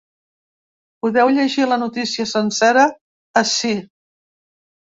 Podeu llegir la notícia sencera ací.